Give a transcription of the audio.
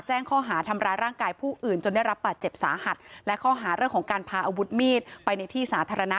แจ้งข้อหาทำร้ายร่างกายผู้อื่นจนได้รับบาดเจ็บสาหัสและข้อหาเรื่องของการพาอาวุธมีดไปในที่สาธารณะ